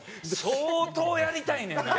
相当やりたいねんな。